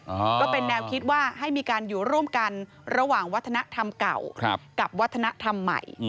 ก็เป็นแนวคิดว่าให้มีการอยู่ร่วมกันระหว่างวัฒนธรรมเก่ากับวัฒนธรรมใหม่